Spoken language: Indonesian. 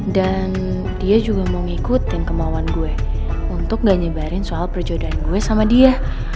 dan dia juga mau ngikutin kemauan gue untuk gak nyebarin soal perjodohan gue sama dia